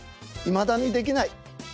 いまだにできない。